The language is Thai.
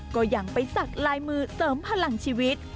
ก็ยังไปสักลายมือเสริมพลังชีวิต